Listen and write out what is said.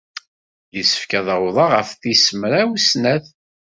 Yessefk ad awḍeɣ ɣef tis mraw snat.